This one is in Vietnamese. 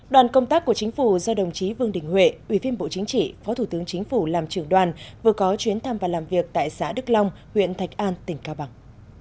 đoàn công tác của chính phủ do đồng chí vương đình huệ ủy viên bộ chính trị phó thủ tướng chính phủ làm trưởng đoàn vừa có chuyến thăm và làm việc tại xã đức long huyện thạch an tỉnh cao bằng